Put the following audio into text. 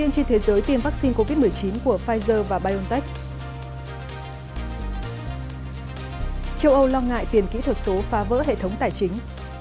châu âu lo ngại tiền kỹ thuật số phá vỡ hệ thống tài chính